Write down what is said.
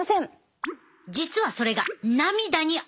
実はそれが涙にあるねん。